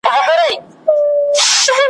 تاسي څرنګه موږ پوه نه کړو چي دام دی `